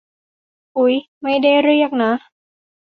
อุ๊ย ไม่ได้เรียกนะ